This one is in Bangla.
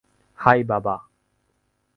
হাই, বাবা।